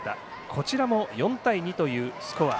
こちらも４対２というスコア。